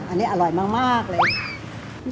อันนี้อร่อยมากเลย